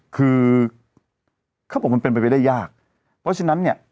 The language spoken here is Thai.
คือเขาบอกมันเป็นไปได้ยากเพราะฉะนั้นเนี่ย